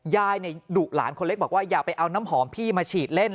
ยายดุหลานคนเล็กบอกว่าอย่าไปเอาน้ำหอมพี่มาฉีดเล่น